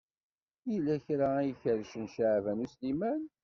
Yella kra ay ikerrcen Caɛban U Sliman.